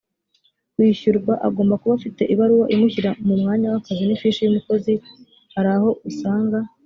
kwishyurwa agomba kuba afite ibaruwa imushyira mu mwanya w akazi n ifishi y umukozi hari aho usanga